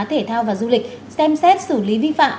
thể thao và du lịch xem xét xử lý vi phạm